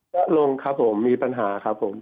ก็ลงครับผมมีปัญหาครับผม